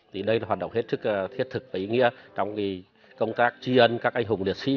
thì đây là hoạt động hết sức thiết thực và ý nghĩa trong công tác tri ân các anh hùng liệt sĩ